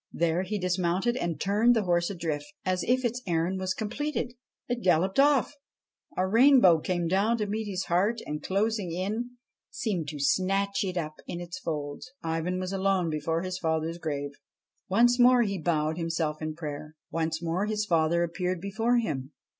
There he dismounted and turned the horse adrift. As if its errand was completed, it galloped off; a rainbow came down to meet it, and, closing in, seemed to snatch it up in its folds. Ivan was alone before his father's grave. Once more he bowed himself in prayer. Once more his father appeared before him.